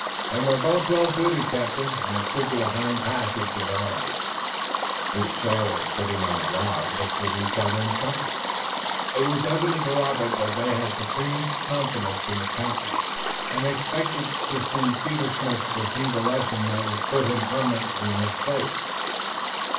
"Then we're both well suited, captain, and it should be a fine passage at arms." The two sailors, sitting on the log, looked at each other and chuckled. It was evident to Robert that they had supreme confidence in the captain and expected to see Peter Smith receive a lesson that would put him permanently in his place.